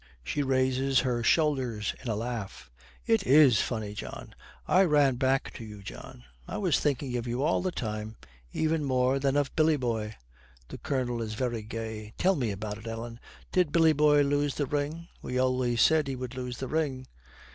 She raises her shoulders in a laugh. 'It is funny, John. I ran back to you, John. I was thinking of you all the time even more than of Billy boy.' The Colonel is very gay. 'Tell me all about it, Ellen. Did Billy boy lose the ring? We always said he would lose the ring.'